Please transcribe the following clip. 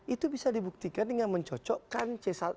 itu bisa dibuktikan dengan mencocokkan